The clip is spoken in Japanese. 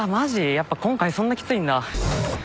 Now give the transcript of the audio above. やっぱ今回そんなきついんだ。